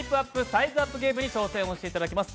サイズアップゲームに挑戦していただきます。